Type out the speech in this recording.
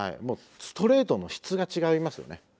もうストレートの質が違いますよね。